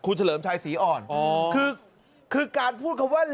คุณเฉลิมชัยศรีอ่อนคือการพูดคำว่า